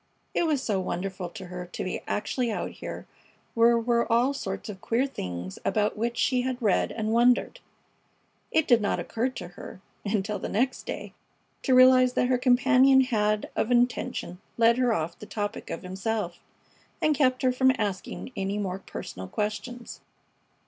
It was so wonderful to her to be actually out here where were all sorts of queer things about which she had read and wondered. It did not occur to her, until the next day, to realize that her companion had of intention led her off the topic of himself and kept her from asking any more personal questions.